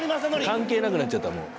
関係なくなっちゃったもう。